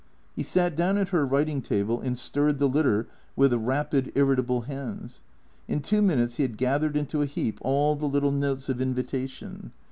He sat down at her writing table and stirred the litter with rapid, irritable hands. In two minutes he had gathered into a heap all the little notes of invitation.